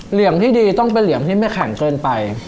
เหลี่ยมที่ดีต้องเป็นเหลี่ยมที่ไม่แข็งเกินไป